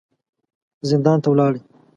زندان ته ولاړې.